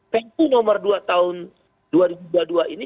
perpu nomor dua tahun dua ribu dua puluh dua ini